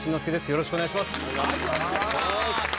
よろしくお願いします。